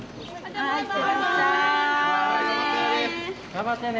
頑張ってね！